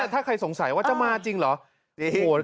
ถ้าใครสงสัยว่าจะมาจริงเหรอ